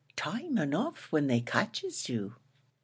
Time enough when they catches you."